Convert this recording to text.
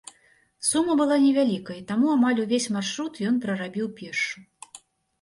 Сума была невялікая, і таму амаль увесь маршрут ён прарабіў пешшу.